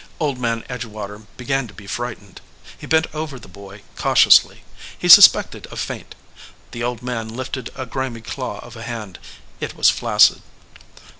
Old Man Edgewater began to be frightened. He bent over the boy, cautiously. He suspected a feint. The old man lifted a grimy claw of a hand. It was flaccid.